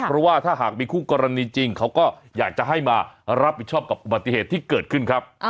เพราะว่าถ้าหากมีคู่กรณีจริงเขาก็อยากจะให้มารับผิดชอบกับอุบัติเหตุที่เกิดขึ้นครับ